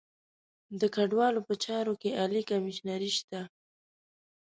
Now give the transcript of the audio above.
د کډوالو په چارو کې عالي کمیشنري شته.